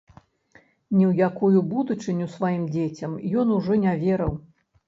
Ні ў якую будучыню сваім дзецям ён ужо не верыў.